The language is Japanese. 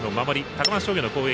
高松商業の攻撃。